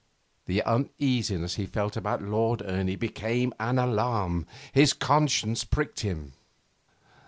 The uneasiness he felt about Lord Ernie became alarm. His conscience pricked him.